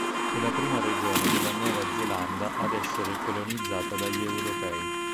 È la prima regione della Nuova Zelanda ad essere colonizzata dagli europei.